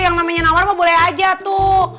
yang namanya nawar mah boleh aja tuh